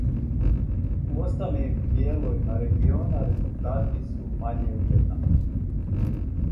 У осталим дијеловима региона резултати су мање уједначени.